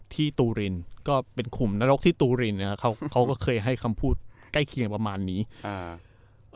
ตูรินก็เป็นขุมนรกที่ตูรินนะครับเขาเขาก็เคยให้คำพูดใกล้เคียงประมาณนี้อ่า